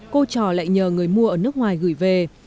cô trò lại nhờ người mua ở nước ngoài gửi về